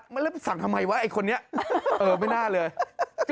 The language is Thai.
มาสั่งทำไมวะไอ้คนนี้เออไม่น่าเลย